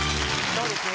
そうですね。